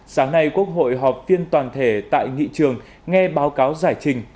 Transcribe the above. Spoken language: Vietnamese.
sáng nay quốc hội họp phiên toàn thể tại nghị trường nghe báo cáo giải trình